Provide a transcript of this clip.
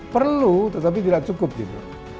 perlu tetapi tidak cukup gitu